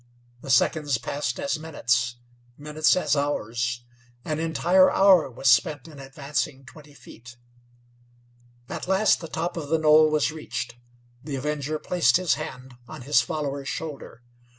The seconds passed as minutes; minutes as hours; an entire hour was spent in advancing twenty feet! At last the top of the knoll was reached. The Avenger placed his hand on his follower's shoulder.